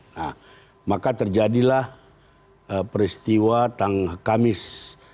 nah maka terjadilah peristiwa tang kamis